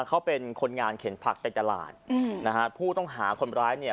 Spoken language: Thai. เขาเป็นคนงานเข็นผักในตลาดอืมนะฮะผู้ต้องหาคนร้ายเนี่ย